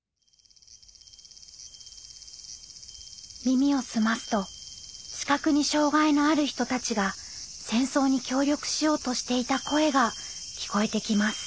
耳を澄ますと視覚に障害のある人たちが戦争に協力しようとしていた声が聴こえてきます。